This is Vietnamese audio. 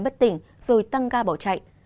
bất tỉnh rồi tăng ga bỏ chạy